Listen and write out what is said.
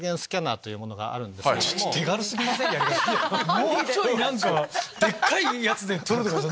もうちょい何かでっかいやつで撮るとかじゃ。